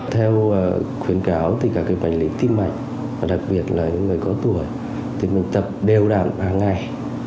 theo khuyến cáo thì các bệnh viện tim mạch đặc biệt là người cao tuổi thì mình tập đều đạn ba ngày